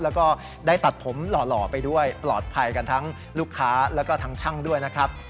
แล้วก็ได้ตัดผมหล่อไปด้วยปลอดภัยกันทั้งลูกค้าแล้วก็ทั้งช่างด้วยนะครับ